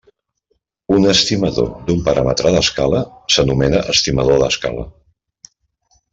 Un estimador d'un paràmetre d'escala s'anomena estimador d'escala.